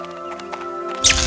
mereka menemukan penguasa yang sejati